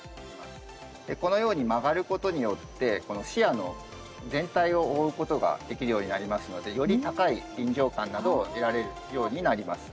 このように曲がることによって視野の全体を覆うことができるようになりますのでより高い臨場感などを得られるようになります。